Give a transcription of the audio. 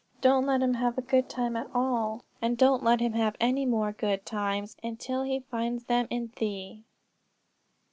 Don't let him have a good time at all; don't let him have any more good times until he finds them in thee."